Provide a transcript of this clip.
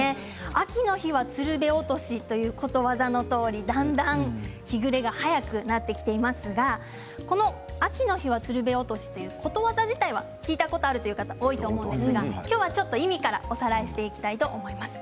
秋の日はつるべ落としという、ことわざのとおりだんだん日暮れが早くなってきていますがこの秋の日はつるべ落としということわざ自体は聞いたことあるという方多いと思うんですが今日はちょっと意味からおさらいしていきたいと思います。